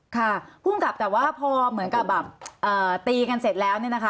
ค่ะภูมิกับแต่ว่าพอเหมือนกับแบบตีกันเสร็จแล้วเนี่ยนะคะ